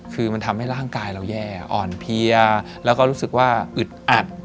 คือมันทำให้ร่างกายเราแย่อ่อนเพลียแล้วก็รู้สึกว่าอึดอัด